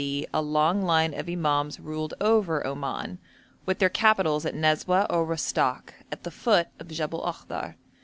d. a long line of imams ruled over Oman, with their capitals at Nezweh or Rostok, at the foot of Jebel Akhdar.